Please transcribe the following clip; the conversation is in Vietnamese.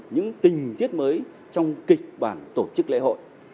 những tình tiết mới trong kịch bản tổ chức lễ hội